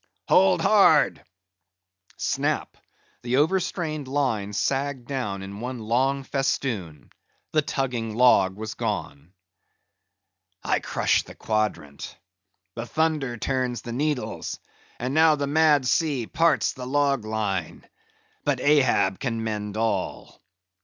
"Hold hard!" Snap! the overstrained line sagged down in one long festoon; the tugging log was gone. "I crush the quadrant, the thunder turns the needles, and now the mad sea parts the log line. But Ahab can mend all.